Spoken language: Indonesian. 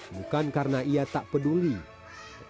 bukan karena ibu tresya tidak suka dengan tempat tinggal di kampung syuru